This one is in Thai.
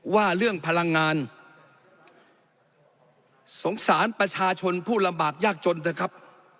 ว่าเรื่องพลังงานสงสารประชาชนผู้ลำบากยากจนเถอะครับ